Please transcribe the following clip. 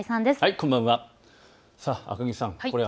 こんばんは。